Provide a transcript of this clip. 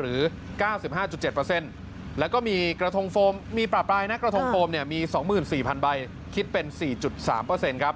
หรือ๙๕๗แล้วก็มีกระทงโฟมมีปลาปลายนะกระทงโฟมเนี่ยมี๒๔๐๐ใบคิดเป็น๔๓ครับ